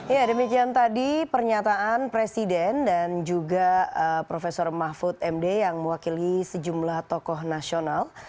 ya demikian tadi pernyataan presiden dan juga prof mahfud md yang mewakili sejumlah tokoh nasional